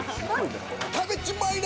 食べちまいな！